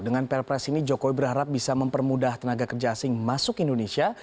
dengan perpres ini jokowi berharap bisa mempermudah tenaga kerja asing masuk indonesia